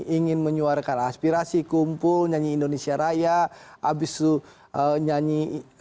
ingin menyuarkan aspirasi kumpul nyanyi indonesia raya habis itu nyanyi